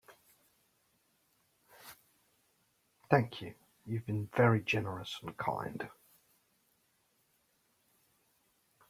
Thank you, you've been very generous and kind!